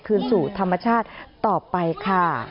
คืนสู่ธรรมชาติต่อไปค่ะ